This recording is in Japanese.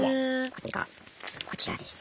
これがこちらですね。